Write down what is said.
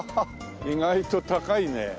意外と高いね。